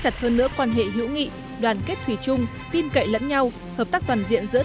chặt hơn nữa quan hệ hữu nghị đoàn kết thủy chung tin cậy lẫn nhau hợp tác toàn diện giữa